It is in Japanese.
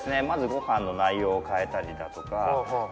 まずご飯の内容を変えたりだとか。